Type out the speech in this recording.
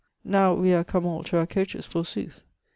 Now we are come all to our coaches forsooth!